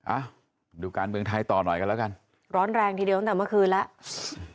อ่ะดูการเมืองไทยต่อหน่อยกันแล้วกันร้อนแรงทีเดียวตั้งแต่เมื่อคืนแล้ว